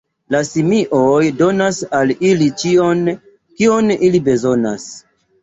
La simioj donas al ili ĉion, kion ili bezonas.